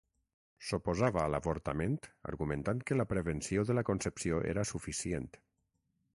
S'oposava a l'avortament argumentant que la prevenció de la concepció era suficient.